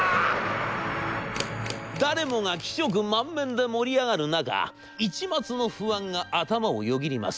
誰もが喜色満面で盛り上がる中一抹の不安が頭をよぎります。